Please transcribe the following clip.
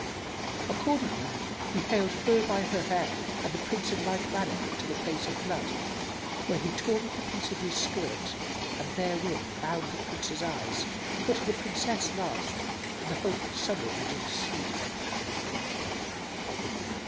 Accordingly he haled her by her hair and the Prince in like manner to the place of blood, where he tore off a piece of his skirt and therewith bound the Prince's eyes putting the Princess last, in the hope that some one would intercede for her.